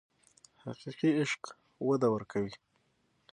حقیقي عشق وده ورکوي.